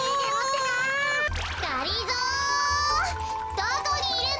どこにいるの？